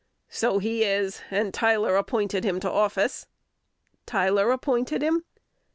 "So he is, and Tyler appointed him to office." "Tyler appointed him?"